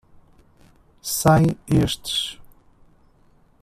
Sem estes